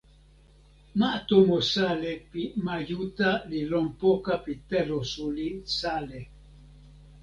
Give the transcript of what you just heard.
ma tomo Sale pi ma Juta li lon poka pi telo suli Sale.